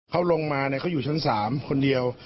เขาลงมาเขาอยู่ชั้น๓คนเดียว